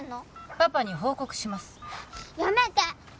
パパに報告しますやめて！